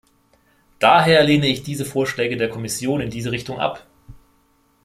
Daher lehne ich diese Vorschläge der Kommission in diese Richtung ab.